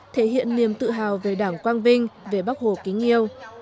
thể hiện niềm tự hào về đảng quang vinh về bác hồ kính yêu